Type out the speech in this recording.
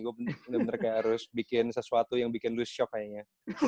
gue bener bener kayak harus bikin sesuatu yang bikin lo shock kayaknya